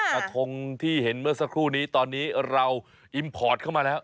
กระทงที่เห็นเมื่อสักครู่นี้ตอนนี้เราอิมพอร์ตเข้ามาแล้ว